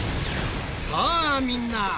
さあみんな！